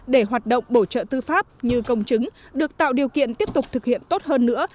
để hoạt động bổ trợ tư pháp như công chứng được tạo điều kiện tiếp tục thực hiện tốt hơn nữa